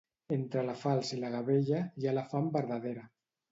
Entre la falç i la gavella hi ha la fam verdadera.